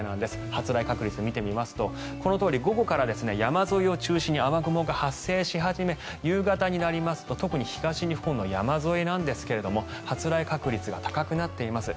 発雷確率を見てみますとこのとおり午後から山沿いを中心に雨雲が発生し始め夕方になりますと特に東日本の山沿いなんですが発雷確率が高くなっています。